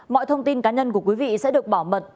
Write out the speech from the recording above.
mọi thông tin cá nhân của quý vị sẽ được bảo mật